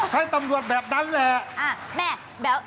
ให้ตำรวจแบบนั้นแหละ